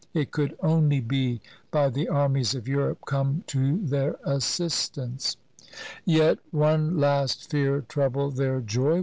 It could only be by the armies of Europe come to their assistance. Yet one last fear troubled their joy.